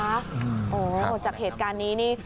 หมดจากเหตุการณ์นี้